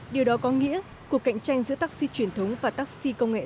điều đó có nghĩa cuộc cạnh tranh giữa taxi truyền thống và taxi công nghệ